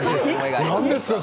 何ですか？